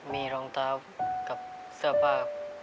มีรองเท้ากับเสื้อผ้า